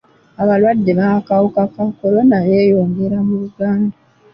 Abalwadde b'akawuka ka kolona beeyongera mu Uganda.